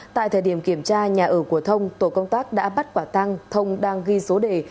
tại thời điểm kiểm tra nhà ở của thông tổ công tác đã bắt quả tăng thông đang ghi số đề